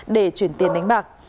để chuyển tiền đánh bạc